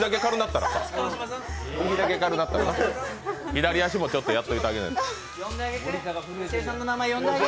左足もやっといてあげないと。